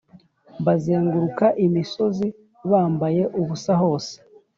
bazenguruka imisozi bambaye ubusa hose